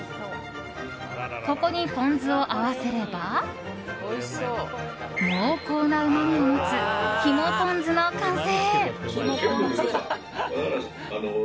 ここにポン酢を合わせれば濃厚なうまみを持つ肝ポン酢の完成。